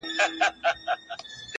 • لکه سرو معلومداره په چمن کي,